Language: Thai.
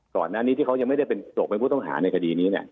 ก่อนหน้านี้ที่เค้ายังไม่ได้เป็นโดรกเป็นผู้ต้องหาในคดีนี้เนี่ย